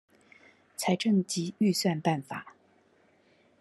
財政及預算辦法